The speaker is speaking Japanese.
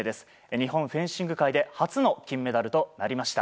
日本フェンシング界で初の金メダルとなりました。